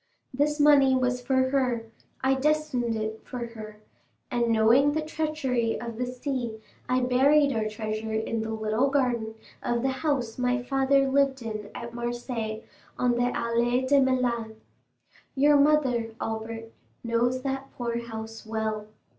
This money was for her; I destined it for her, and, knowing the treachery of the sea I buried our treasure in the little garden of the house my father lived in at Marseilles, on the Allées de Meilhan. Your mother, Albert, knows that poor house well.